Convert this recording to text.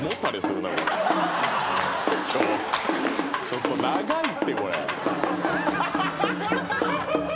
「ちょっと長いってこれ」